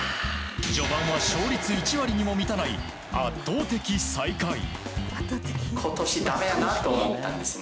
序盤は勝率１割にも満たない圧倒的最下位。